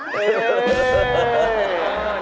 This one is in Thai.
ไม่ได้หมา